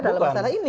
dalam masalah ini